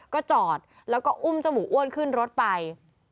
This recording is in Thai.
ก็จอดแล้วก็อุ้มเจ้าหมูอ้วนขึ้นรถไป